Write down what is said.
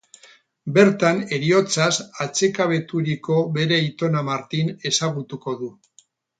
Bertan heriotzaz atsekabeturiko bere aitona Martin ezagutuko du.